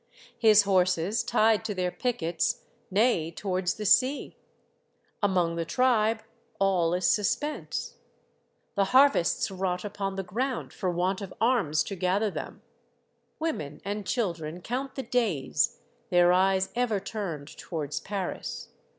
His horses, tied to their pickets, neigh towards the sea. Among the tribe, all is suspense. The harvests rot upon the ground Decorated the Fifteenth of August. 153 for want of arms to gather them. Women and children count the days, their eyes ever turned towards Paris.